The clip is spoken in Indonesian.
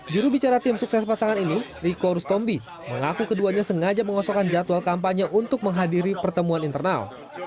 jurubicara tim sukses pasangan ini riko rustombi mengaku keduanya sengaja mengosokan jadwal kampanye untuk menghadiri pertemuan internal